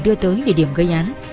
đưa tới địa điểm gây án